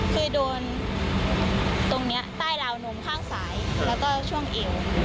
คือโดนตรงนี้ใต้ราวนมข้างซ้ายแล้วก็ช่วงเอว